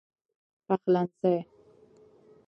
پخلنځی